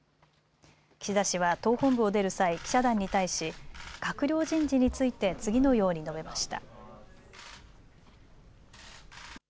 岸田氏は党本部を出る際、記者団に対し閣僚人事について次のように述べました。